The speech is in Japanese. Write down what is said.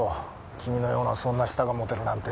君のようなそんな舌が持てるなんて。